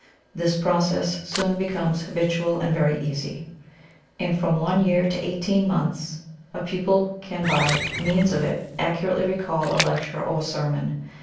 This process soon becomes habitual and very easy. In from one year to eighteen months a pupil can by means of it accurately recall a lecture or sermon.